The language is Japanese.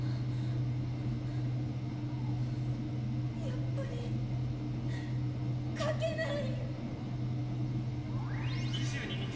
やっぱり書けない。